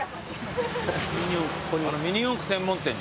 ミニ四駆専門店。